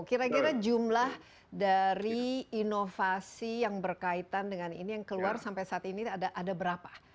kira kira jumlah dari inovasi yang berkaitan dengan ini yang keluar sampai saat ini ada berapa